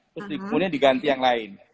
terus kemudian diganti yang lain